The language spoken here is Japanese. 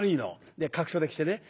で角袖着てね。